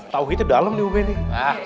tauhidnya dalem nih ub nih